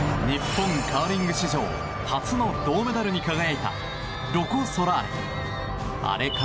日本カーリング史上初の銅メダルに輝いたロコ・ソラーレ。